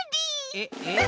えっ？えっ？